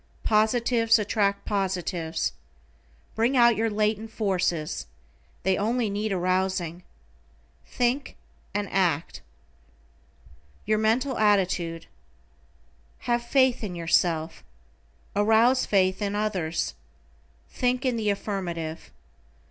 Positives attract positives. Bring out your latent forces, they only need arousing. THINK AND ACT. =YOUR MENTAL ATTITUDE:= Have faith in yourself. Arouse faith in others. Think in the affirmative.